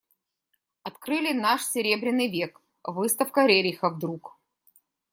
Открыли наш Серебряный век, выставка Рериха вдруг.